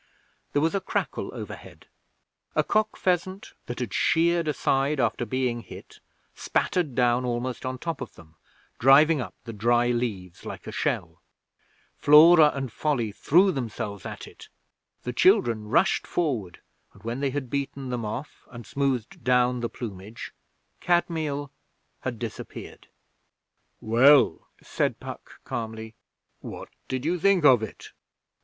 There was a crackle overhead. A cock pheasant that had sheered aside after being hit spattered down almost on top of them, driving up the dry leaves like a shell. Flora and Folly threw themselves at it; the children rushed forward, and when they had beaten them off and smoothed down the plumage Kadmiel had disappeared. 'Well,' said Puck calmly, 'what did you think of it?